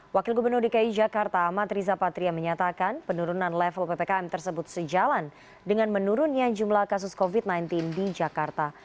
wakil gubernur dki jakarta amat riza patria menyatakan penurunan level ppkm tersebut sejalan dengan menurunnya jumlah kasus covid sembilan belas di jakarta